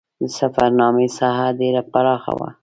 د سفرنامې ساحه ډېره پراخه وه.